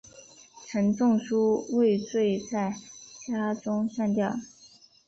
陈仲书畏罪在家中上吊。